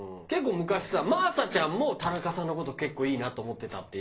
結構昔さ真麻ちゃんも「田中さんの事結構いいなと思ってた」